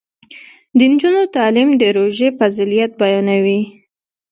د نجونو تعلیم د روژې فضیلت بیانوي.